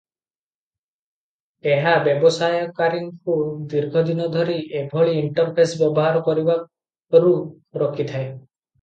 ଏହା ବ୍ୟବହାରକାରୀଙ୍କୁ ଦୀର୍ଘ ଦିନ ଧରି ଏଭଳି ଇଣ୍ଟରଫେସ ବ୍ୟବହାର କରିବାରୁ ରୋକିଥାଏ ।